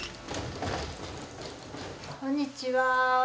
こんにちは。